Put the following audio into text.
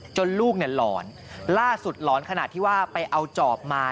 ลูกเนี่ยหลอนล่าสุดหลอนขนาดที่ว่าไปเอาจอบมา